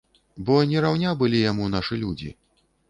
Бо не раўня былі яму нашы людзі.